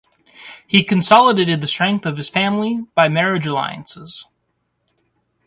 He consolidated the strength of his family by marriage alliances.